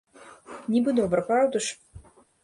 Нібы добра, праўда ж?